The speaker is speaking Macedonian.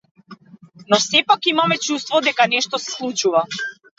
Но сепак имаме чувство дека нешто се случува.